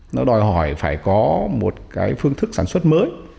nó đòi hỏi phải có một cái phương thức sản xuất mới